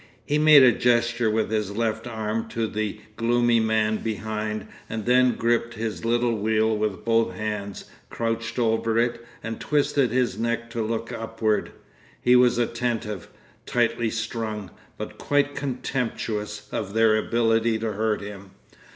He made a gesture with his left arm to the gloomy man behind and then gripped his little wheel with both hands, crouched over it, and twisted his neck to look upward. He was attentive, tightly strung, but quite contemptuous of their ability to hurt him.